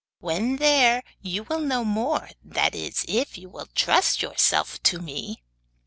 When there you will know more; that is, if you will trust yourself to me.